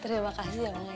terima kasih ya bang ayah